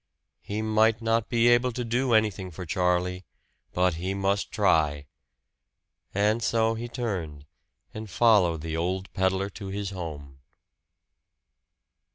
He might not be able to do anything for Charlie. But he must try! And so he turned and followed the old peddler to his home.